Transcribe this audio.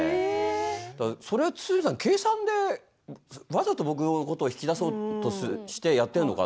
それは堤さん、計算でわざと僕のことを引き出そうとしてやっているのか。